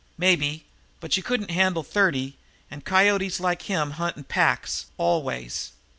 "Maybe, but you couldn't handle thirty, and coyotes like him hunt in packs, always.